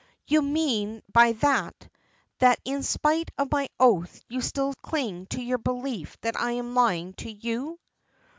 "You mean by that, that in spite of my oath you still cling to your belief that I am lying to you?"